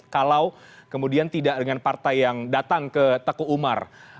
kalau kemudian tidak dengan partai yang datang ke teku umar